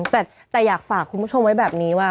แต่อยากฝากคุณผู้ชมไว้แบบนี้ว่า